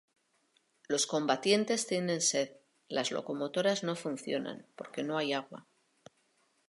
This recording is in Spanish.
Los combatientes tienen sed, las locomotoras no funcionan porque no hay agua.